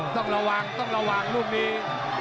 ต้องระวังต้องระวังลูกนี้